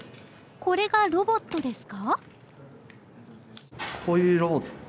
これがロボットですか？